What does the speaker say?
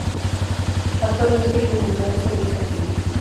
Actualmente viven en Madison, Wisconsin.